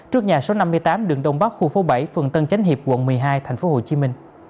trước nhà số năm mươi tám đường đông bắc khu phố bảy phường tân chánh hiệp quận một mươi hai tp hcm